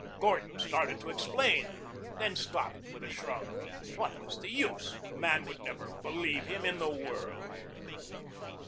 Gordon started to explain, then stopped with a shrug. What was the use? The man would never believe him in the world.